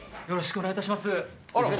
よろしくお願いします。